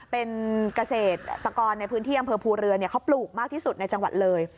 เป็นเกษตรกรในพื้นที่อำเภอภูเรือเขาปลูกมากที่สุดในจังหวัดเลย